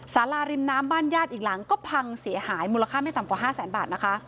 สาราริมน้ำบ้านญาติอีกหลังก็พังเสียหายมูลค่าไม่ต่ำกว่า๕แสนบาทนะคะ